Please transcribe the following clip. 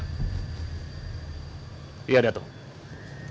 tak bisa kita sia siakan malam ini artaya